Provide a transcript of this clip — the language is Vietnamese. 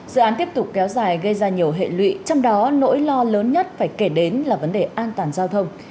dự án tiếp tục kéo dài gây ra nhiều hệ lụy trong đó nỗi lo lớn nhất phải kể đến là vấn đề an toàn giao thông